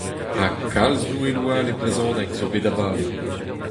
Ha kalz noueloù all e brezhoneg zo bet abaoe !